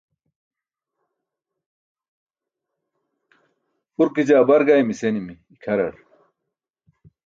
urke jaa bar gaymi senimi ikʰarar